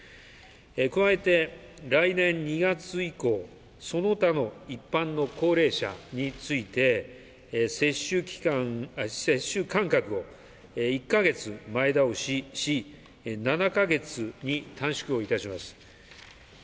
加えて、来年２月以降、その他の一般の高齢者について接種間隔を１カ月前倒しし、７カ月に短縮をいたします。